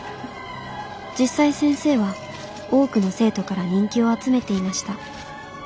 実際先生は多くの生徒から人気を集めていました。